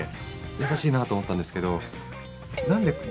優しいなあと思ったんですけど。